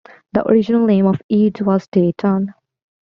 The original name of Eads was Dayton.